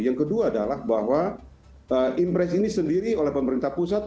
yang kedua adalah bahwa impres ini sendiri oleh pemerintah pusat